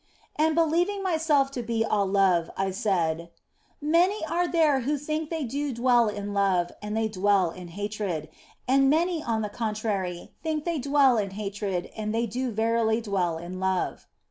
And believing myself to be all love, I said, " Many are there who think they do dwell in love and they dwell in hatred, and many on the contrary think they dwell in hatred and they do verily dwell in love."